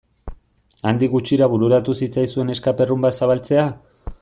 Handik gutxira bururatu zitzaizuen escape room bat zabaltzea?